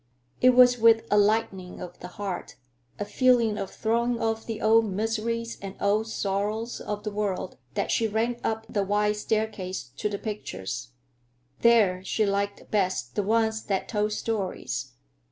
It was with a lightening of the heart, a feeling of throwing off the old miseries and old sorrows of the world, that she ran up the wide staircase to the pictures. There she liked best the ones that told stories.